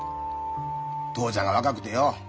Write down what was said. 父ちゃんが若くてよ